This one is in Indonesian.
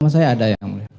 saya ada yang mulia